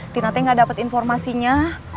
tina t gak dapet informasinya